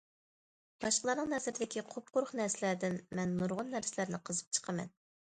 باشقىلارنىڭ نەزىرىدىكى قۇپقۇرۇق نەرسىلەردىن مەن نۇرغۇن نەرسىلەرنى قىزىپ چىقىمەن.